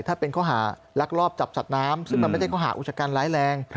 ถ้าเป็นข้อหารักรอบจับสัตว์น้ำซึ่งมันไม่ใช่ข้อหาอุชกันร้ายแรง